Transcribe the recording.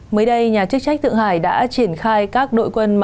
mới đây nhà chức trách thượng hải đã triển khai các đội quân